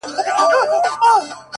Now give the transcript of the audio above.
• دا نړۍ زړه غمجنه پوروړې د خوښیو ,